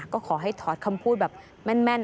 ก็ขอให้ถอดคำพูดแบบแม่น